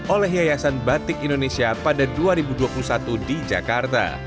oleh yayasan batik indonesia pada dua ribu dua puluh satu di jakarta